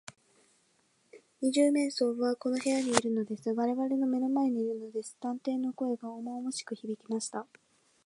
「二十面相はこの部屋にいるのです。われわれの目の前にいるのです」探偵の声がおもおもしくひびきました。